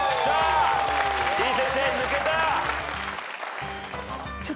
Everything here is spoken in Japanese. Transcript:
てぃ先生抜けた！